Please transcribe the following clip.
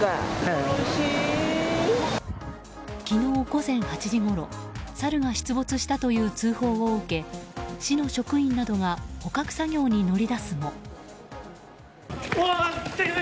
昨日、午前８時ごろサルが出没したという通報を受け市の職員などが捕獲作業に乗り出すも。